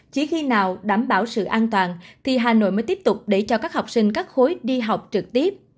chỉ khi nào đảm bảo sự an toàn thì hà nội mới tiếp tục để cho các học sinh các khối đi học trực tiếp